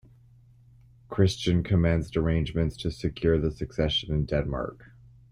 Christian commenced arrangements to secure the succession in Denmark.